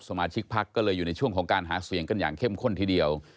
สมาชิกพักก็เลยอยู่ในช่วงของการหาเสียงกันอย่างเข้มข้นทีเดียว